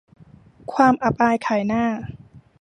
ความอับอายขายหน้า